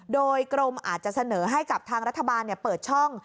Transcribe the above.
โดยกรมอาจจะเสนอให้กับทางรัฐบาลเปิดช่อง